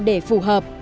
để phù hợp